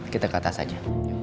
kita ke atas aja